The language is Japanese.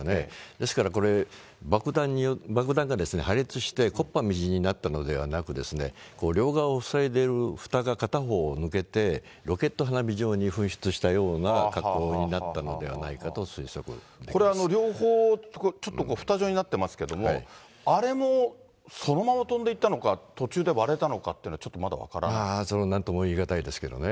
ですからこれ、爆弾が破裂して木っ端みじんになったのではなく、両側を塞いでいるふたが片方抜けて、ロケット花火状に噴出したような格好になったのではないかと推測これ、両方ちょっとふた状になっていますけれども、あれもそのまま飛んでいったのか、途中で割れたのかっていうのは、ちょっとまだ分かなんとも言い難いですけどね。